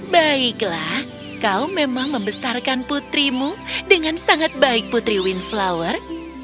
baiklah kau memang membesarkan putrimu dengan sangat baik putri windflower